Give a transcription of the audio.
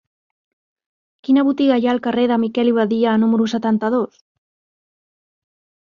Quina botiga hi ha al carrer de Miquel i Badia número setanta-dos?